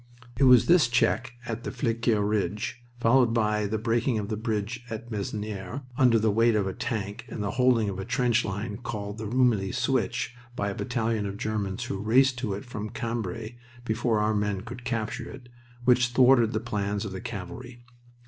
It was this check at the Flesquieres Ridge, followed by the breaking of a bridge at Masnieres under the weight of a tank and the holding of a trench line called the Rumilly switch by a battalion of Germans who raced to it from Cambrai before our men could capture it, which thwarted the plans of the cavalry.